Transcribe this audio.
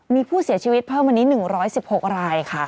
มีผู้เสียชีวิตเพิ่มวันนี้๑๑๖รายค่ะ